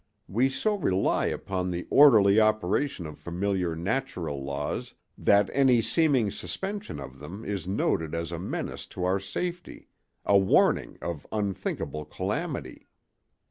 We so rely upon the orderly operation of familiar natural laws that any seeming suspension of them is noted as a menace to our safety, a warning of unthinkable calamity.